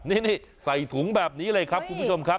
นี่ใส่ถุงแบบนี้เลยครับคุณผู้ชมครับ